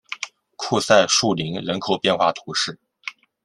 库赛树林人口变化图示